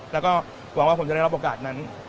แล้วก็หวังว่าผมจะได้รับโอกาสนั้น